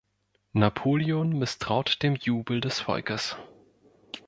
Napoleon misstraut dem Jubel des Volkes.